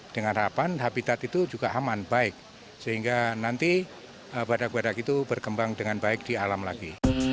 dengan harapan habitat itu juga aman baik sehingga nanti badak badak itu berkembang dengan baik di alam lagi